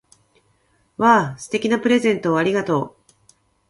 わぁ！素敵なプレゼントをありがとう！